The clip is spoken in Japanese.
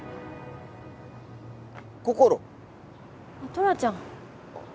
トラちゃん。